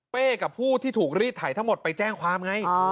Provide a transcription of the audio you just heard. กับผู้ที่ถูกรีดถ่ายทั้งหมดไปแจ้งความไง